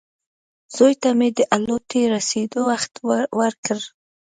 زوی ته مې د الوتکې رسېدو وخت ورکړ.